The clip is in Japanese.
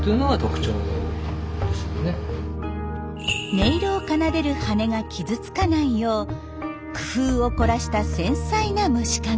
音色を奏でる翅が傷つかないよう工夫を凝らした繊細な虫かご。